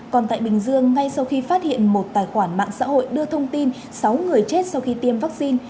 còn tại bình dương ngay sau khi phát hiện một tài khoản mạng xã hội đưa thông tin sáu người chết sau khi tiêm vaccine